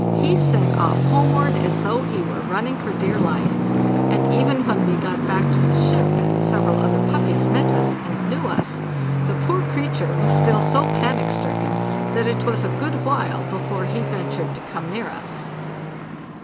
He set off homeward as though he were running for dear life ; and even when we got back to the ship and several other puppies met us and knew us, the poor creature was still so panic stricken that it was a good while before he ventured to come near us.